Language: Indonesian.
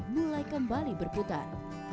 mulai kembali berputar